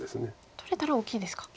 取れたら大きいですか。